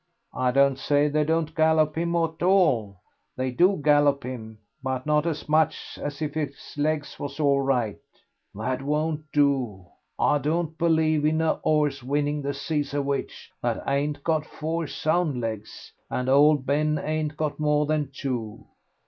"I don't say they don't gallop him at all; they do gallop him, but not as much as if his legs was all right." "That won't do. I don't believe in a 'orse winning the Cesarewitch that ain't got four sound legs, and old Ben ain't got more than two."